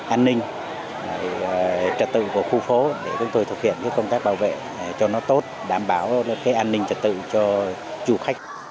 an ninh trật tự của khu phố để chúng tôi thực hiện công tác bảo vệ cho nó tốt đảm bảo cái an ninh trật tự cho du khách